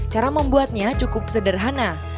cara membuatnya cukup sederhana